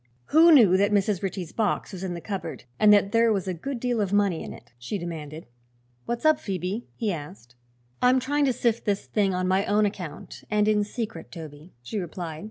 "Who knew that Mrs. Ritchie's box was in the cupboard, and that there was a good deal of money in it?" she demanded. "What's up, Phoebe?" he asked. "I'm trying to sift this thing on my own account, and in secret, Toby," she replied.